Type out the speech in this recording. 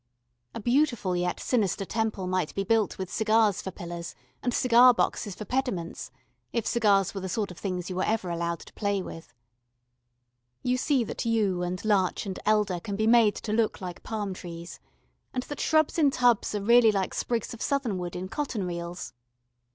A beautiful yet sinister temple might be built with cigars for pillars and cigar boxes for pediments, if cigars were the sort of things you were ever allowed to play with. You see that yew and larch and elder can be made to look like palm trees, and that shrubs in tubs are really like sprigs of southernwood in cotton reels.